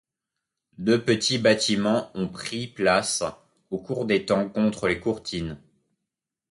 Deux petits bâtiments ont pris place au cours du temps contre les courtines.